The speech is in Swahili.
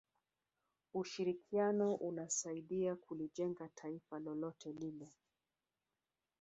ushirikiano unasaidia kulijenga taifa lolote lile